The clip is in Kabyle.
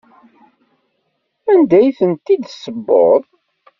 Anda ay tent-id-tessewweḍ?